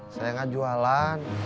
saya gak jualan